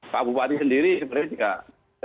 pak bupati sendiri sebenarnya tidak tahu